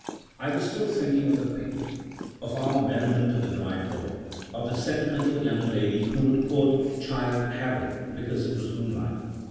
I was still thinking of the picnic — of our merriment on the drive home — of the sentimental young lady who would quote "Childe Harold" because it was moonlight.